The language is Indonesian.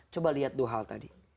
coba lihat dua hal tadi